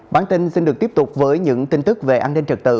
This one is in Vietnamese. bản tin xin được tiếp tục với những tin tức về an ninh trật tự